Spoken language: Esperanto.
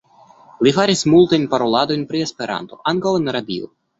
Li faris multajn paroladojn pri Esperanto, ankaŭ en radio.